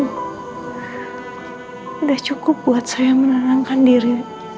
sudah cukup buat saya menenangkan diri